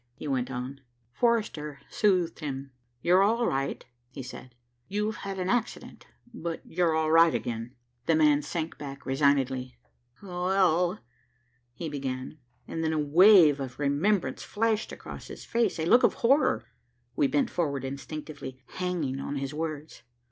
he went on. Forrester soothed him. "You're all right," he said. "You had an accident, but you're all right again." The man sank back resignedly. "Well " he began, and then a wave of remembrance flashed across his face, a look of horror. We bent forward instinctively, hanging on his words.